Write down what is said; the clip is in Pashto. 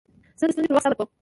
زه د ستونزو پر وخت صبر کوم.